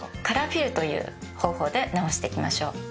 カラーフィルという方法で直していきましょう。